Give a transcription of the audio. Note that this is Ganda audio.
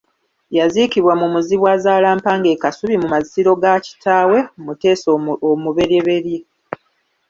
Yaziikibwa mu Muzibu-azaala-Mpanga e Kasubi mu masiro ga kitaawe Mutesa I.